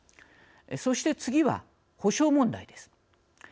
そして、次は補償問題です。